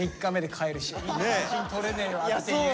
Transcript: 「写真撮れねえわっていう」。